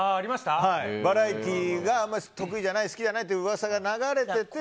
バラエティーがあまり得意じゃない好きじゃないって噂が流れてて。